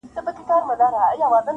چي تازه هوا مي هره ورځ لرله٫